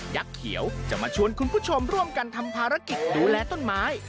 เขียวจะมาชวนคุณผู้ชมร่วมกันทำภารกิจดูแลต้นไม้